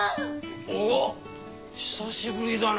おう久しぶりだな。